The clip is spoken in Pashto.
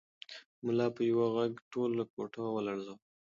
ملا په یوه غږ ټوله کوټه ولړزوله.